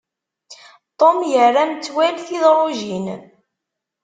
Tom yerra metwal tidrujin.